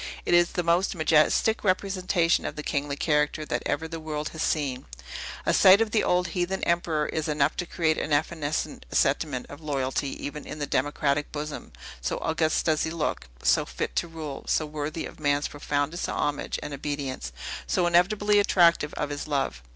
It is the most majestic representation of the kingly character that ever the world has seen. A sight of the old heathen emperor is enough to create an evanescent sentiment of loyalty even in a democratic bosom, so august does he look, so fit to rule, so worthy of man's profoundest homage and obedience, so inevitably attractive of his love.